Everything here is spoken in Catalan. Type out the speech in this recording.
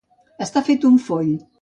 Estar fet un foll.